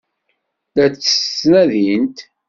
La tt-ttnadint?